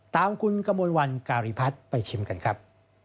ตามคุณกระมวลวันการีพัฒน์ไปชิมกันครับ